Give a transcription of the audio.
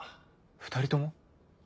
２人とも？